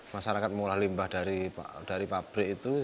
masyarakat mengolah limbah dari pabrik itu